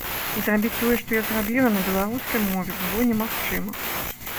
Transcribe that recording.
Зрабіць тое, што я зрабіла, на беларускай мове было немагчыма.